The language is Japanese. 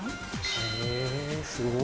へぇすごい。